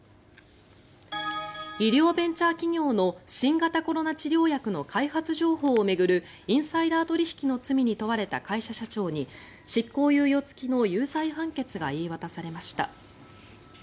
医療ベンチャー企業の新型コロナ治療薬の開発情報を巡るインサイダー取引の罪に問われた会社社長に執行猶予付きの有罪判決が言い渡されました。